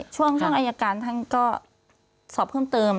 ช่วงอายการท่านก็สอบเพิ่มเติม